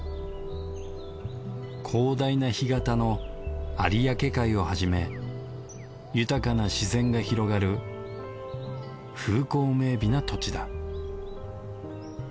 広大な干潟の有明海をはじめ豊かな自然が広がる風光明美な土地だ